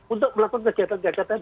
untuk melakukan kegiatan kegiatan